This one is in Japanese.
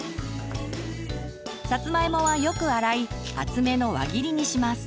さつまいもはよく洗い厚めの輪切りにします。